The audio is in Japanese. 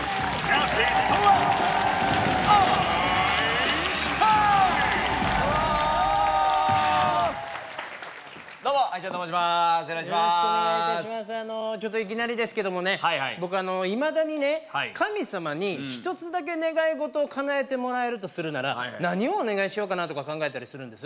あのちょっといきなりですけどもねはいはい僕あのいまだにね神様に１つだけ願い事を叶えてもらえるとするなら何をお願いしようかなとか考えたりするんです